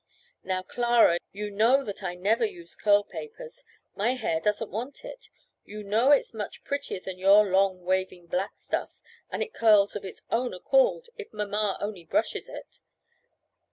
"Now, Clara, you know that I never use curl papers. My hair doesn't want it. You know it's much prettier than your long waving black stuff, and it curls of its own accord, if mamma only brushes it.